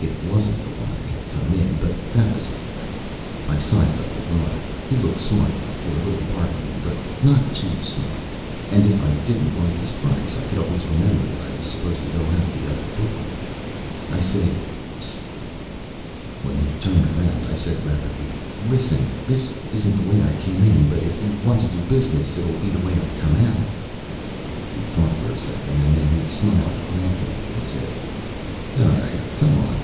It wasn't the one I had come in, but that was all right. I sized up the guard. He looked smart enough for a little bargaining, but not too smart; and if I didn't like his price, I could always remember that I was supposed to go out the other door. I said: "Psst!" When he turned around, I said rapidly: "Listen, this isn't the way I came in, but if you want to do business, it'll be the way I come out." He thought for a second, and then he smiled craftily and said: "All right, come on."